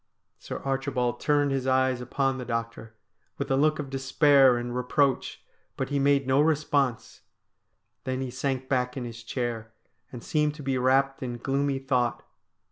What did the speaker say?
Sir Archibald turned his eyes upon the doctor with a look of despair and reproach, but he made no response. Then he sank back in his chair and seemed to be wrapped in gloomy thought.